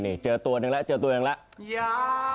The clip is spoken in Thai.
นี่เจอตัวหนึ่งแล้วเจอตัวหนึ่งแล้ว